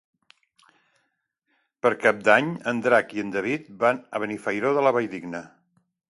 Per Cap d'Any en Drac i en David van a Benifairó de la Valldigna.